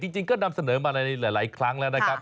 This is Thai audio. จริงก็นำเสนอมาในหลายครั้งแล้วนะครับ